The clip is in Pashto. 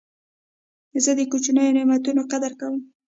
زه د کوچنیو نعمتو قدر کوم.